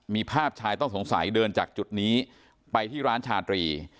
มีภาพชายต้องสงสัยเดินจากจุดนี้ไปที่ร้านชาตรี